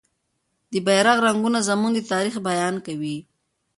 د بیرغ رنګونه زموږ د تاریخ بیان کوي.